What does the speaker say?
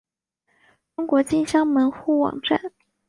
中国金乡门户网站